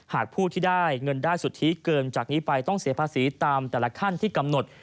หากผู้ที่ได้เงินได้สุทธิเกินจากนี้ไปต้องเสียภาษีตามแต่ละขั้นที่กำหนด